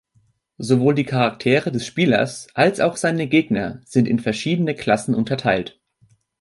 Sowohl die Charaktere des Spielers als auch seine Gegner sind in verschiedene Klassen unterteilt.